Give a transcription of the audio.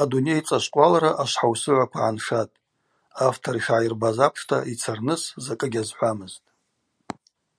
Адуней цӏашвкъвалра ашвхӏаусыгӏваква гӏаншатӏ, автор йшгӏайырбаз апшта йцарныс закӏы гьазхӏвамызтӏ.